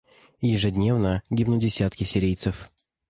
Ежедневно гибнут десятки сирийцев.